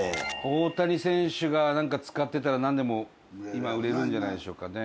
大谷選手が何か使ってたら何でも今売れるんじゃないでしょうかね。